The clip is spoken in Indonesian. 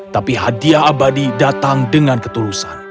tapi hadiah abadi datang dengan ketulusan